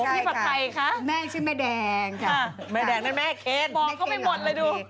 ใช่ค่ะแม่ชื่อแม่แดงค่ะบอกเข้าไปหมดเลยดู